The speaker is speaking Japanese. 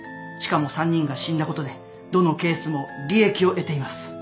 しかも３人が死んだことでどのケースも利益を得ています